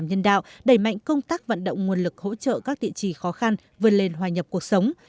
nhân đạo đẩy mạnh công tác vận động nguồn lực hỗ trợ các địa chỉ khó khăn vươn lên hòa nhập cuộc sống